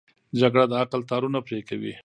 جګړه د عقل تارونه پرې کوي